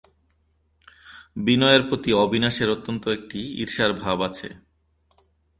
বিনয়ের প্রতি অবিনাশের অত্যন্ত একটা ঈর্ষার ভাব আছে।